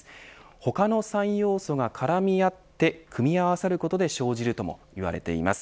他の３要素が絡み合って組み合わさることで生じるともいわれています。